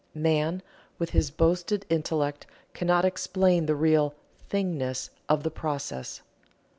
Man with his boasted intellect cannot explain the real "thingness" of the process.